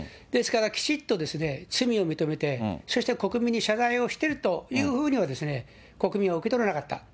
ですから、きちっと罪を認めて、そして国民に謝罪をしているというふうには国民は受け取らなかった。